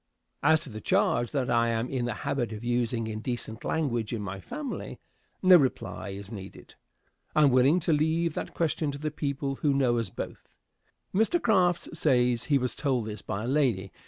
As to the charge that I am in the habit of using indecent language in my family, no reply is needed. I am willing to leave that question to the people who know us both. Mr. Crafts says he was told this by a lady.